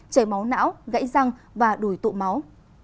chảy máu não gãy răng và đùi tụ máu